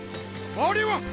あれは！